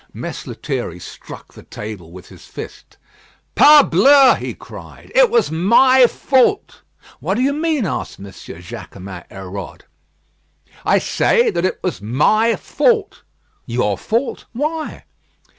Mess Lethierry struck the table with his fist. "Parbleu!" he cried; "it was my fault." "What do you mean?" asked M. Jaquemin Hérode. "I say that it is my fault." "Your fault? Why?"